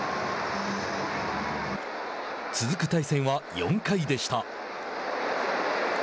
続く対戦は４回でした。